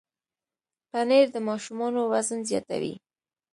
پنېر د ماشومانو وزن زیاتوي.